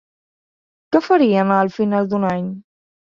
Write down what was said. Què farien al final d'un any?